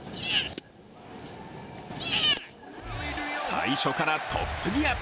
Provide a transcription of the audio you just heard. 最初からトップギア。